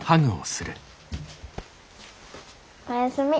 おやすみ。